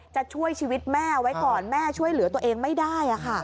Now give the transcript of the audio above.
จะช่วยชีวิตแม่ไว้ก่อนแม่ช่วยเหลือตัวเองไม่ได้